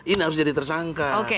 ini harus jadi tersangka